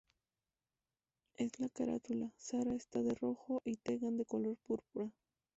En la carátula, Sara esta de rojo y Tegan de color púrpura.